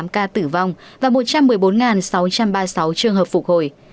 bốn sáu trăm ba mươi tám ca tử vong và một trăm một mươi bốn sáu trăm ba mươi sáu trường hợp phục hồi